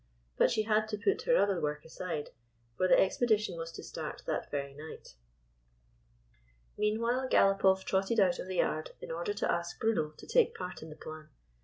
But she had to put her other work aside ; for the expedition was to start that very night. Meanwhile, Galopoff trotted out of the yard in order to ask Bruno to take part in the plan.